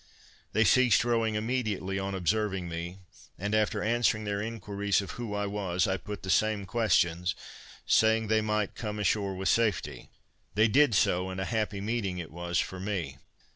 They ceased rowing immediately on observing me, and, after answering their inquiries of who I was, I put the same questions, saying they might come ashore with safety. They did so, and a happy meeting it was for me.